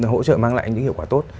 hỗ trợ mang lại những hiệu quả tốt